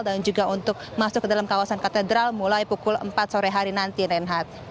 dan juga untuk masuk ke dalam kawasan katedral mulai pukul empat sore hari nanti reinhardt